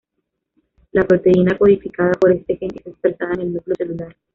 La proteína codificada por este gen es expresada en el núcleo celular.